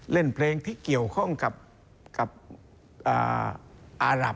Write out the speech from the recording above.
เล่นเพลงที่เกี่ยวข้องกับอารับ